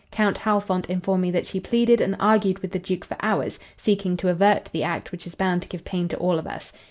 Count Halfont informed me that she pleaded and argued with the Duke for hours, seeking to avert the act which is bound to give pain to all of us.